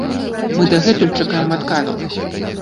Мы дагэтуль чакаем адказу.